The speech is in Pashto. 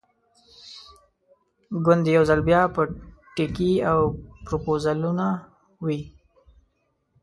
ګوندې یو ځل بیا به ټیکې او پروپوزلونه وي.